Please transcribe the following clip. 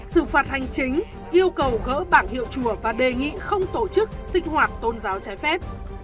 sự phạt hành chính yêu cầu gỡ bảng hiệu chùa và đề nghị không tổ chức sinh hoạt tôn giáo trái phép